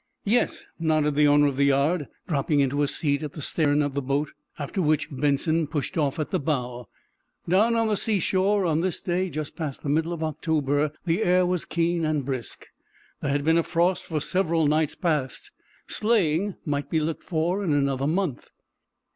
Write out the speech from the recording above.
"Yes," nodded the owner of the yard, dropping into a seat at the stern of the boat, after which Benson pushed off at the bow. Down on the seashore, on this day just past the middle of October, the air was keen and brisk. There had been frost for several nights past. Sleighing might be looked for in another month.